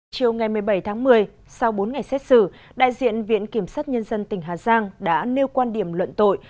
chiều ngày một mươi bảy tháng một mươi sau bốn ngày xét xử đại diện viện kiểm sát nhân dân tỉnh hà giang đã nêu quan điểm luận tội